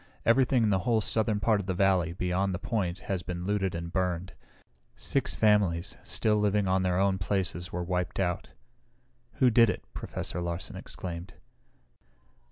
Everything in the whole southern part of the valley, beyond the point, has been looted and burned. Six families, still living on their own places were wiped out." "Who did it?" Professor Larsen exclaimed.